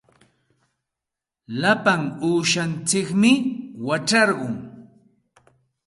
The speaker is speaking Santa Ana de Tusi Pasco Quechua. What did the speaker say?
Lapa uushantsikmi wacharqun.